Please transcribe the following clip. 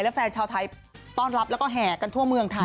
และแฟนชาวไทยต้อนรับแล้วก็แห่กันทั่วเมืองไทย